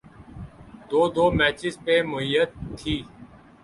دو دو میچز پہ محیط تھیں۔